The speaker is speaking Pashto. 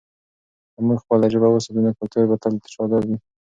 که موږ خپله ژبه وساتو، نو کلتور به تل شاداب وي.